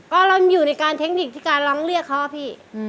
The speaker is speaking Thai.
ก็เราอยู่ในการเทคนิคที่การร้องเรียกเขาอะพี่